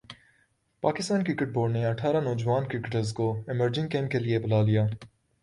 Pakistan cricket board نے اٹھارہ نوجوان کرکٹرز کو ایمرجنگ کیمپ کیلئے بلا لیا